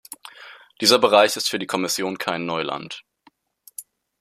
Dieser Bereich ist für die Kommission kein Neuland.